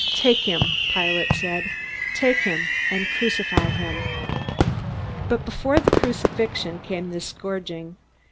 "Take him," Pilate said. "Take him, and crucify him." But before the crucifixion came the scourging.